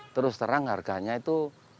terus terang harganya itu